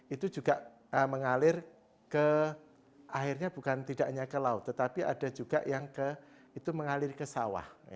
itu juga mengalir ke airnya bukan tidak hanya ke laut tetapi ada juga yang mengalir ke sawah